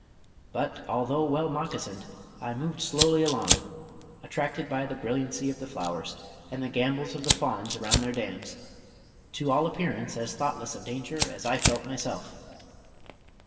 But although well moccasined, I moved slowly along, attracted by the brilliancy of the flowers, and the gambols of the fawns around their dams, to all appearance as thoughtless of danger as I felt myself.